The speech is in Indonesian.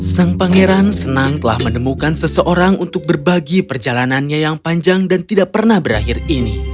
sang pangeran senang telah menemukan seseorang untuk berbagi perjalanannya yang panjang dan tidak pernah berakhir ini